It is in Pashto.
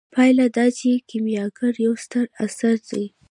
پایله دا چې کیمیاګر یو ستر اثر دی.